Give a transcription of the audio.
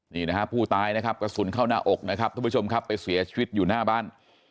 นี่นะฮะผู้ตายนะครับกระสุนเข้าหน้าอกนะครับทุกผู้ชมครับไปเสียชีวิตอยู่หน้าบ้าน